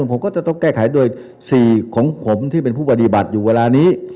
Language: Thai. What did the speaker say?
ต่อเน่วว่ามีชื่อมาแก้ไขด้วยสีของผมที่เป็นผู้ปฏิบัติอยู่เวลานี้